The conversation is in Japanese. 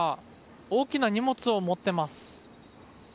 大きな荷物を持ってます。